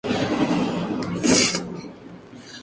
Población eminentemente agraria.